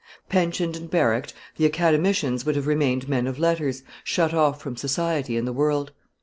Pensioned and barracked, the Academicians would have remained men of letters, shut off from society and the world.